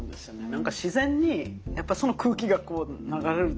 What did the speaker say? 何か自然にやっぱその空気がこう流れると思うし。